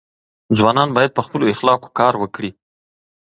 ځوانان باید په خپلو اخلاقو کار وکړي.